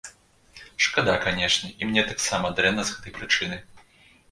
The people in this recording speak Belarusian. Шкада, канешне, і мне таксама дрэнна з гэтай прычыны.